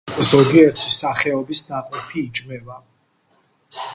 ზოგიერთი სახეობის ნაყოფი იჭმება.